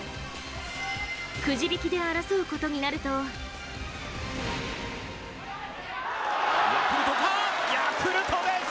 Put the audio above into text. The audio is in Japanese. くじ引きで争うことになるとヤクルトです